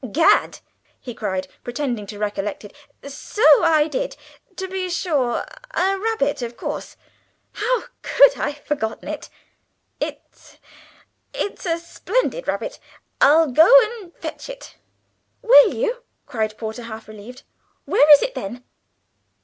"Gad!" he cried, pretending to recollect it, "so I did to be sure, a rabbit, of course, how could I forget it? It's it's a splendid rabbit. I'll go and fetch it!" "Will you?" cried Porter, half relieved. "Where is it, then?"